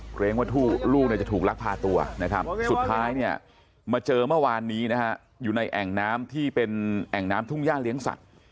เครงว่าลูกจะถูกลักพาตัวสุดท้ายมาเจอเมื่อวานนี้อยู่ในแอ่งน้ำทุ่งย่าเลี้ยงสัตว์